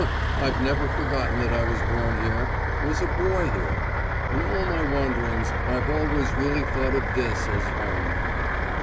"I've never forgotten that I was born here was a boy here. In all my wanderings I've always really thought of this as home."